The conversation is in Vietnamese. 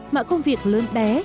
mọi công việc lớn bé